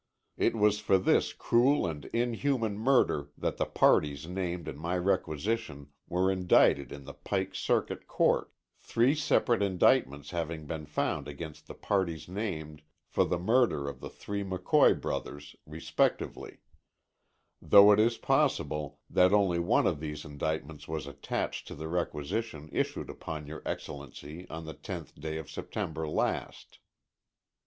It was for this cruel and inhuman murder that the parties named in my requisition were indicted in the Pike Circuit Court, three separate indictments having been found against the parties named for the murder of the three McCoy brothers, respectively; though it is possible that only one of these indictments was attached to the requisition issued upon your Excellency on the 10th day of September last.